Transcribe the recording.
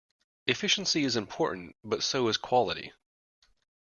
Efficiency is important, but so is quality.